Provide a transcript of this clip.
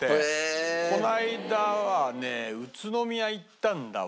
この間はね宇都宮行ったんだわ。